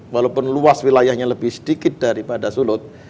walaupun luas wilayahnya lebih sedikit daripada sulut